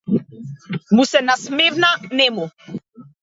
Му се насмевна нему.